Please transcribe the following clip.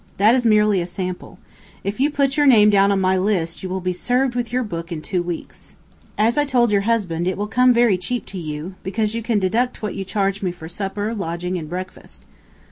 That is merely a sample. If you put your name down on my list you will be served with your book in two weeks. As I told your husband, it will come very cheap to you, because you can deduct what you charge me for supper, lodging, and breakfast."